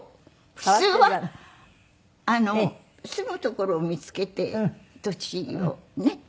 普通は住む所を見つけて土地をね。